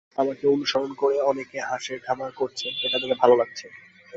আমাকে অনুসরণ করে অনেকে হাঁসের খামার করছেন, এটা দেখে ভালো লাগছে।